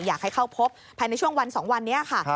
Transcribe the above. อยากให้เข้าพบภายในช่วงวัน๒วันนี้ค่ะ